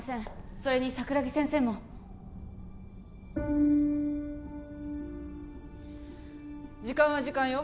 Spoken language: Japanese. それに桜木先生も時間は時間よ